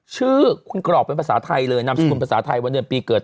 ชื่อคุณกรอกเป็นภาษาไทยเลยนามสกุลภาษาไทยวันเดือนปีเกิด